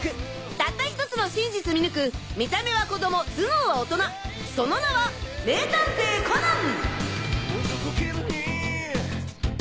たった１つの真実見抜く見た目は子供頭脳は大人その名は名探偵コナン！